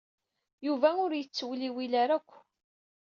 Yuba ur yettewliwil ara akk.